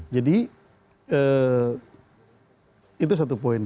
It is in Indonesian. jadi itu satu poin